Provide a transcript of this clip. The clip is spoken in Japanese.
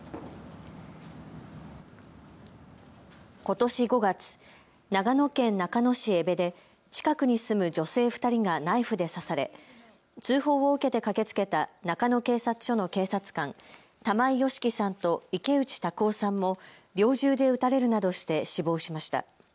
ことし５月、長野県中野市江部で近くに住む女性２人がナイフで刺され通報を受けて駆けつけた中野警察署の警察官、玉井良樹さんと池内卓夫さんも猟銃で撃たれるなどして死亡しました。